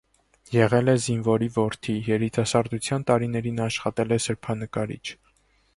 Եղել է զինվորի որդի, երիտասարդության տարիներին աշխատել է սրբանկարիչ։